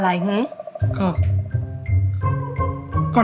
รับผิดชอบ